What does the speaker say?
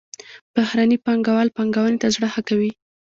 بهرني پانګوال پانګونې ته زړه ښه کوي.